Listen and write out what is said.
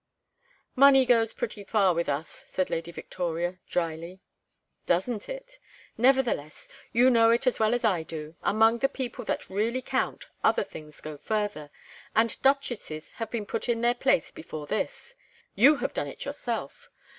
"Money goes pretty far with us," said Lady Victoria, dryly. "Doesn't it? Nevertheless you know it as well as I do among the people that really count other things go further, and duchesses have been put in their place before this you have done it yourself.